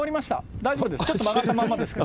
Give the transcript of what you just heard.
大丈夫です。